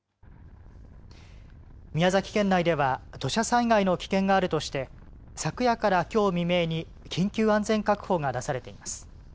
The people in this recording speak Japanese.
宮崎県内では、土砂災害の危険があるとして昨夜からきょう未明に緊急安全確保が出されています。